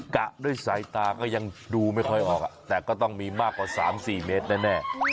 กะด้วยสายตาก็ยังดูไม่ค่อยออกแต่ก็ต้องมีมากกว่า๓๔เมตรแน่